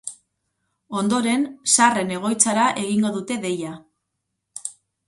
Ondoren, zaharren egoitzara egingo dute deia.